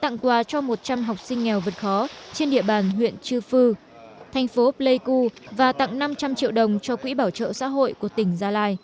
tặng quà cho một trăm linh học sinh nghèo vượt khó trên địa bàn huyện chư phư thành phố pleiku và tặng năm trăm linh triệu đồng cho quỹ bảo trợ xã hội của tỉnh gia lai